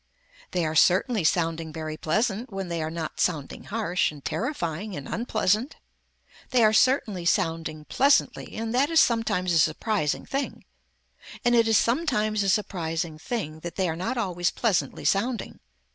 They are certainly sounding very pleasant when they are not sounding harsh and terrifying and unpleasant. They are certainly sounding pleasantly and that is sometimes a surprising thing and it is sometimes a surprising thing that they are not always pleasantly sounding.